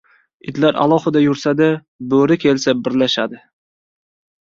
• Itlar alohida yursa-da bo‘ri kelsa birlashadi.